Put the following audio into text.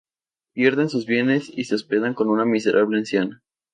Pierden sus bienes y se hospedan con una miserable anciana.